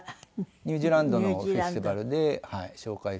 ニュージーランドのフェスティバルで紹介されて。